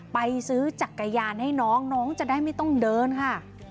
ไปซื้อจักรยานให้น้องน้องจะได้ไม่ต้องเดินค่ะ